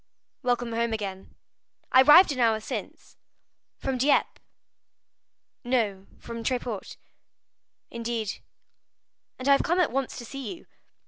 "Welcome home again." "I arrived an hour since." "From Dieppe?" "No, from Tréport." "Indeed?" "And I have come at once to see you."